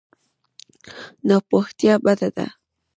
ناپوهتیا بده ده.